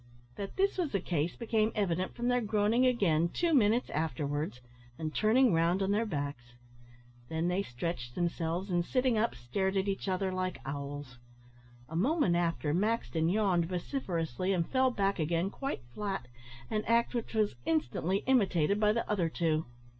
That this was the case became evident from their groaning again, two minutes afterwards, and turning round on their backs. Then they stretched themselves, and, sitting up, stared at each other like owls. A moment after, Maxton yawned vociferously, and fell back again quite flat, an act which was instantly imitated by the other two.